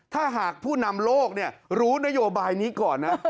ถ้าหากผู้นำโลกรู้นโยบายนี้ก่อนนะ